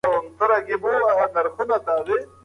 مسافر له جرمني څخه په الوتکه کې د روسيې په لور روان شو.